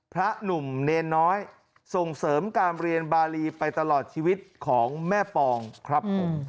พระหนุ่มเนรน้อยส่งเสริมการเรียนบารีไปตลอดชีวิตของแม่ปองครับผม